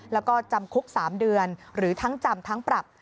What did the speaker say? แล้วก็จำคุก๓เดือนหรือทั้งจำทั้งปรับ